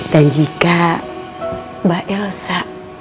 dan jika mbak yasa